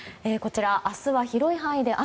明日は広い範囲で雨。